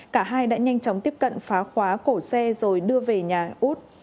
cả hai đã nhanh chóng tiếp cận phá khóa cổ xe rồi đưa về nhà út